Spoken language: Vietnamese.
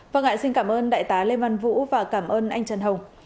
vâng ạ xin cảm ơn đại tá lê văn vũ và cảm ơn anh trần hồng